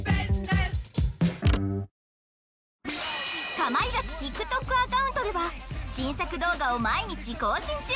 『かまいガチ』ＴｉｋＴｏｋ アカウントでは新作動画を毎日更新中！